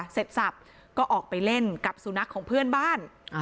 เสร็จสับก็ออกไปเล่นกับสุนัขของเพื่อนบ้าน